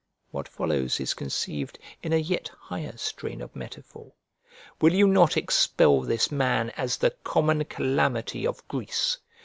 What follows is conceived in a yet higher strain of metaphor: "Will you not expel this man as the common calamity of Greece?